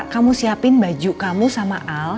kamu siapin baju kamu sama al